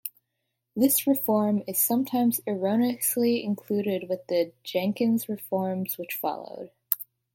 This reform is sometimes erroneously included with the Jenkins reforms which followed.